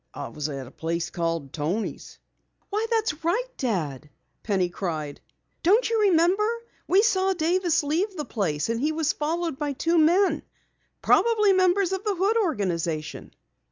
"I was at a place called Toni's." "Why, that's right, Dad!" Penny cried. "Don't you remember? We saw Davis leave the place, and he was followed by two men probably members of the Hood organization."